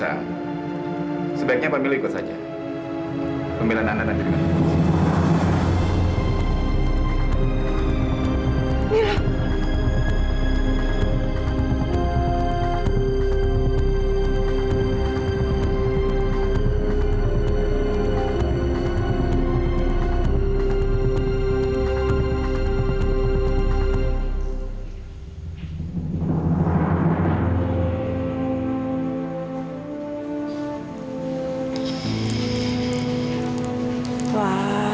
apakah dengan petro mia